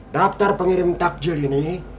daftar pengirim takjil ini